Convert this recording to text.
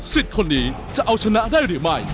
คนนี้จะเอาชนะได้หรือไม่